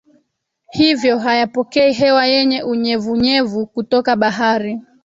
hivyo hayapokei hewa yenye unyevunyevu kutoka bahari